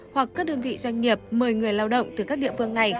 hoặc các đơn vị doanh nghiệp mời người lao động từ các địa phương này